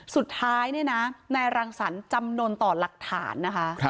สุดท้ายในรังสรรค์จำนวนต่อหลักฐาน